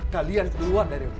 kalian keluar dari rumah ini